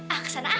ah kesana ah